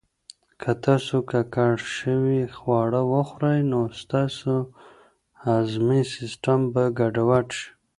که تاسو ککړ شوي خواړه وخورئ، نو ستاسو هضمي سیسټم به ګډوډ شي.